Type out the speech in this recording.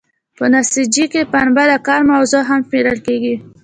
په نساجۍ کې پنبه د کار موضوع هم شمیرل کیږي.